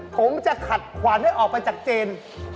ผมจะขัดขวานให้ออกไปจากเจน